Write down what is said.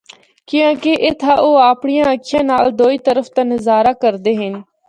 کیانکہ اِتھا او اپنڑیا اکھیاں نال دوئی طرفا دا نظارہ کردے ہن۔